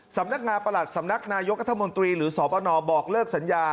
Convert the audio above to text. สำนักงานประหลัดสำนักนายกรัฐมนตรีหรือสปนบอกเลิกสัญญา